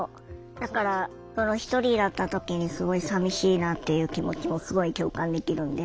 だからその一人だった時にすごいさみしいなっていう気持ちもすごい共感できるんで。